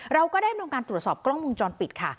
เราก็ได้โดนการตรวจสอบกล้องมุมจรปิดค่ะ